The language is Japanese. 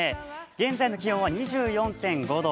現在の気温は２４．５度。